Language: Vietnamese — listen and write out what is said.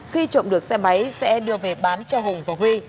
khi trộm được xe máy sẽ đưa về bán cho hùng và huy